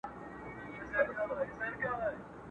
خدایه مېنه مو کړې خپله، خپل معمار خپل مو باغوان کې٫